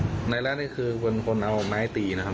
ครับนายแรกนี่คือคนเอาของนายตีนะครับ